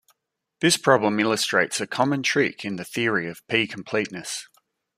This problem illustrates a common trick in the theory of P-completeness.